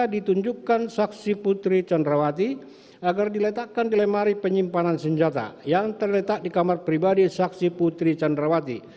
ditunjukkan saksi putri candrawati agar diletakkan di lemari penyimpanan senjata yang terletak di kamar pribadi saksi putri candrawati